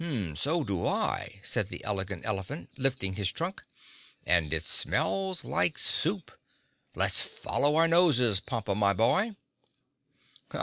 "So do I," said the Elegant Elephant, lifting his trunk, "and it smells like soup. Let's follow our noses, Pompa, my boy."